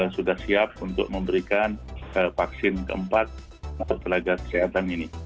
sudah siap untuk memberikan vaksin keempat untuk tenaga kesehatan ini